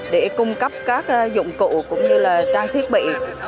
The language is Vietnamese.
để cung cấp các dụng cụ cũng như là trang thiết bị